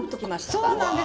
そうなんです